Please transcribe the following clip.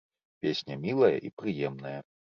Песня мілая і прыемная.